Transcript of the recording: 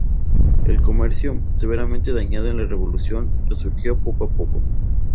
El comercio, severamente dañado en la Revolución, resurgió poco a poco.